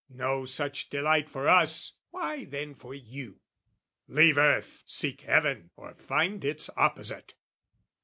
"No such delight for us, why then for you? "Leave earth, seek heaven or find its opposite!"